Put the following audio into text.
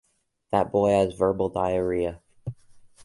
That boy has verbal diarrhoea.